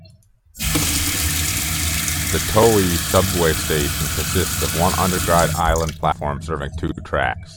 The Toei subway station consists of one underground island platform serving two tracks.